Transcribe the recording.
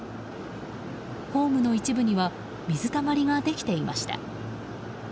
ホームの一部には水たまりができていました。